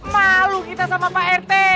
malu kita sama pak rt